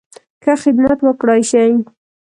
ښه خدمت وکړای شي.